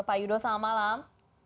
pak yudo selamat malam